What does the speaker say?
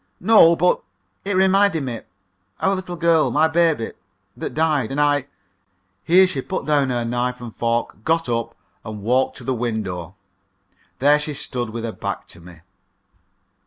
"No. But it reminded me our little girl my baby that died. And I " Here she put down her knife and fork, got up, and walked to the window. There she stood, with her back to me.